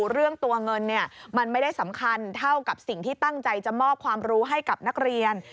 เรื่องตัวเงินมันไม่ได้สำคัญเท่ากับสิ่งที่ตั้งใจจะมอบความรู้ให้กับนักเรียน